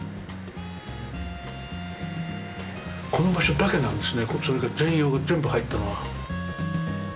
この場所だけなんですね全容が全部入ったのは。